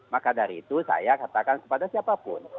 maka dari itu saya katakan kepada siapapun